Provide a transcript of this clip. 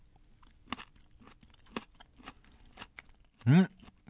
うん！